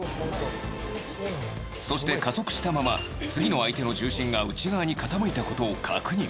そして加速したまま次の相手の重心が内側に傾いたことを確認。